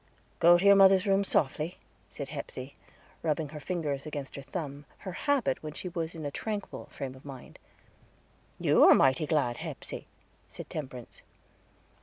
"Go into your mother's room, softly," said Hepsey, rubbing her fingers against her thumb her habit when she was in a tranquil frame of mind. "You are mighty glad, Hepsey," said Temperance.